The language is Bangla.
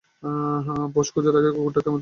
বস খোঁজার আগে কুকুরটাকে আমাদের খুঁজে বের করতে হবে।